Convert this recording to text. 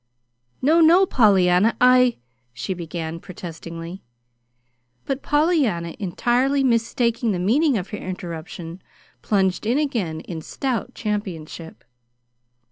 "No, no, Pollyanna, I " she began, protestingly. But Pollyanna, entirely mistaking the meaning of her interruption, plunged in again in stout championship.